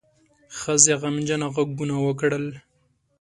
ښځې غمجنه غږونه وکړل.